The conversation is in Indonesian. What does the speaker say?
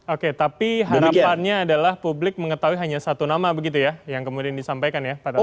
oke tapi harapannya adalah publik mengetahui hanya satu nama begitu ya yang kemudian disampaikan ya